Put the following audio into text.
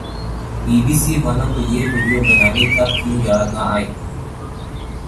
be B C والوں کو یہ وڈیو بنانی تب کیوں یاد نہ آئی